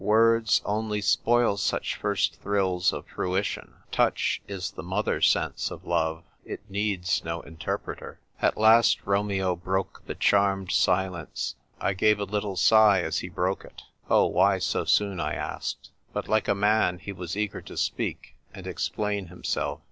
Words only spoil such first thrills of frui tion. Touch is the mother sense of love ; it needs no interpreter At last Romeo broke the charmed silence. I gave a little sigh as he broke it. "Oh, why so soon ?" I asked. But, like a man, he was eager to speak and explain himself.